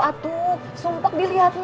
atuh sumpah dilihatnya